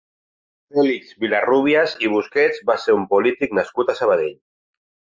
Fèlix Vilarrúbias i Busquets va ser un polític nascut a Sabadell.